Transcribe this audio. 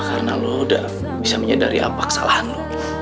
karena lo udah bisa menyadari apa kesalahan lo